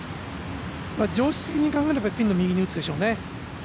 常識的に考えればピンの右に打つでしょうね。